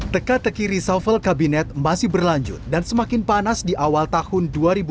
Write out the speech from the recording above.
teka teki reshuffle kabinet masih berlanjut dan semakin panas di awal tahun dua ribu dua puluh